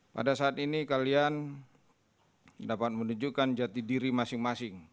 pada saat ini kalian dapat menunjukkan jati diri masing masing